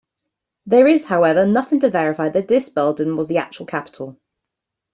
There is, however, nothing to verify that this building was the actual capitol.